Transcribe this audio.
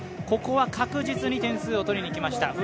ここは確実に点数を取りに来ました。